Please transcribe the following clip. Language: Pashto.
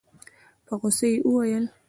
په غوسه يې وويل.